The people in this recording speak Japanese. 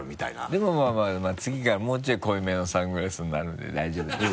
でもまぁまぁ次からはもうちょい濃いめのサングラスになるんで大丈夫です。